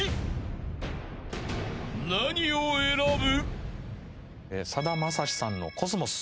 ［何を選ぶ？］